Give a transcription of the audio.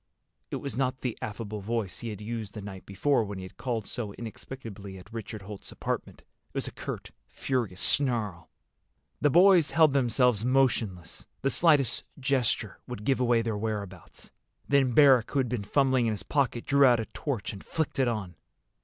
It was not the affable voice he had used the night before when he had called so inexplicably at Richard Holt's apartment. It was a curt, furious snarl. The boys held themselves motionless. The slightest gesture would give away their whereabouts. Then Barrack, who had been fumbling in his pocket, drew out a torch and flicked it on.